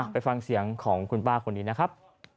ไปฟังเสียงของคุณป้าคนนี้นะครับ